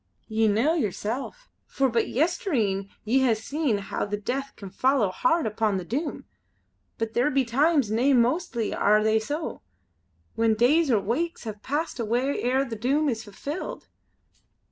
"Ye know yersel', for but yestreen ye hae seen, how the Death can follow hard upon the Doom; but there be times, nay mostly are they so, when days or weeks pass away ere the Doom is fulfilled."